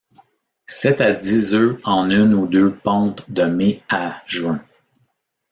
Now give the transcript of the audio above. Sept à dix œufs en une ou deux pontes de mai à juin.